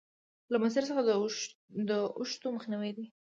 له مسیر څخه د اوښتو مخنیوی دی.